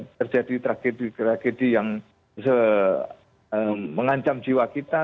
terjadi tragedi tragedi yang mengancam jiwa kita